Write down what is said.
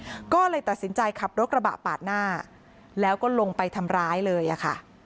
ก็เลยตัดสินใจขับรถกระบะปาดหน้าแล้วก็ลงไปทำร้ายเลยอ่ะค่ะ